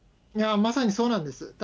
まさにそうなんです。